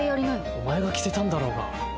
お前が着せたんだろうが。